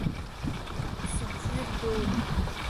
Сыбжьы рдуны…